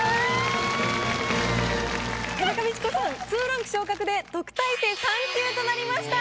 ２ランク昇格で特待生３級となりました。